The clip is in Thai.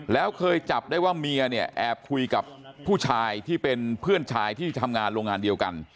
แล้วเคยจับได้ว่าเมียเนี่ยแอบคุยกับผู้ชายที่เป็นเพื่อนชายที่ทำงานโรงงานเดียวกัน